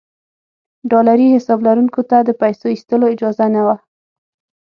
ډالري حساب لرونکو ته د پیسو ایستلو اجازه نه وه.